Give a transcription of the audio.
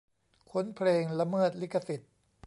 ค้นเพลงละเมิดลิขสิทธิ์